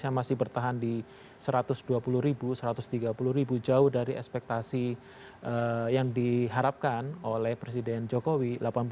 di indonesia masih bertahan di satu ratus dua puluh satu ratus tiga puluh jauh dari ekspektasi yang diharapkan oleh presiden jokowi delapan puluh